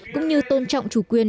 cũng như tôn trọng chủ quyền